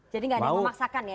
jadi gak ada yang memaksakan ya